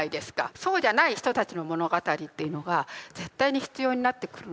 そうじゃない人たちの物語というのが絶対に必要になってくるので。